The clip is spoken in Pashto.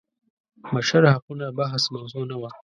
بشر حقونه بحث موضوع نه وه.